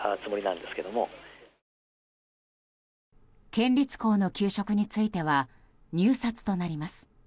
県立校の給食については入札となります。